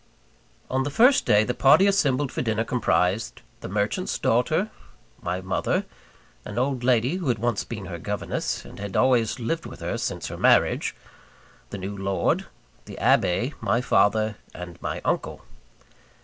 On the first day, the party assembled for dinner comprised the merchant's daughter, my mother, an old lady who had once been her governess, and had always lived with her since her marriage, the new Lord, the Abbe, my father, and my uncle.